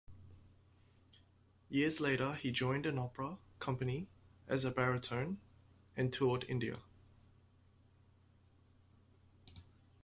Years later he joined an opera company as a baritone, and toured India.